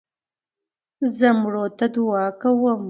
زه مړو ته دؤعا کوم.